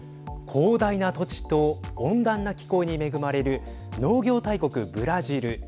広大な土地と温暖な気候に恵まれる農業大国ブラジル。